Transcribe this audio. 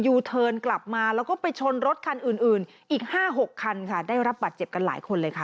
ยูเทิร์นกลับมาแล้วก็ไปชนรถคันอื่นอื่นอีกห้าหกคันค่ะได้รับบัตรเจ็บกันหลายคนเลยค่ะ